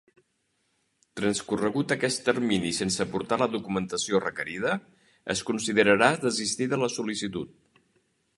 Transcorregut aquest termini sense aportar la documentació requerida, es considerarà desistida la sol·licitud.